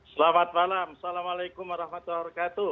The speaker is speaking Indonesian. selamat malam assalamualaikum wr wb